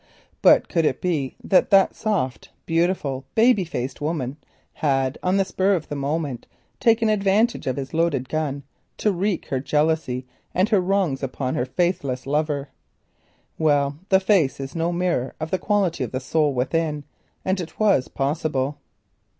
But could it be that this soft, beautiful, baby faced woman had on the spur of the moment taken advantage of his loaded gun to wreak her jealousy and her wrongs upon her faithless lover? Well, the face is no mirror of the quality of the soul within, and it was possible.